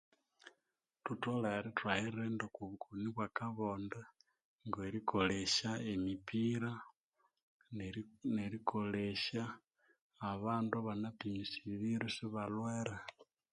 Thutholere ithwayirinda okwa obukoni obwa akabonde ngerikolesya emipira, nerikolesya abandu abana pimisibirwe isiba lhwere